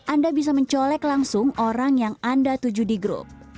anda bisa mencolek langsung orang yang anda tuju di grup